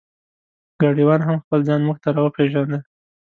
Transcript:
ګاډیوان هم خپل ځان مونږ ته را وپېژنده.